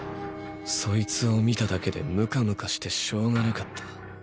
そいつを見ただけでムカムカしてしょうがなかった。